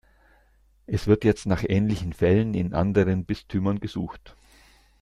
Es wird jetzt nach ähnlichen Fällen in anderen Bistümern gesucht.